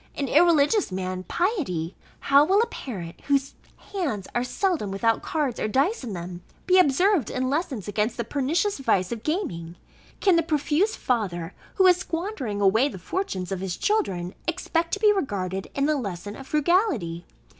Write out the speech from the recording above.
an irreligious man, piety? How will a parent, whose hands are seldom without cards, or dice in them, be observed in lessons against the pernicious vice of gaming? Can the profuse father, who is squandering away the fortunes of his children, expect to be regarded in a lesson of frugality?